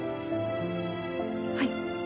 はい。